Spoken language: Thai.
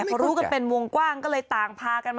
เขารู้กันเป็นวงกว้างก็เลยต่างพากันมา